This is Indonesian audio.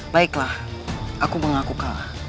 baiklah aku mengaku kalah